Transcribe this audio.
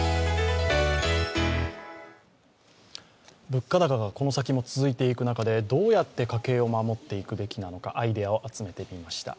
物価高がこの先も続いていく中でどうやって家計を守っていくべきなのか、アイデアを集めてみました。